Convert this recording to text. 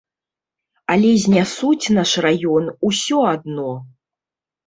Але знясуць наш раён усё адно.